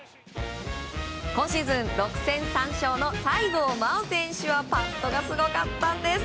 今シーズン６戦３勝の西郷真央選手はパットがすごかったんです。